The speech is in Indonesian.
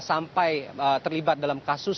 sampai terlibat dalam kasus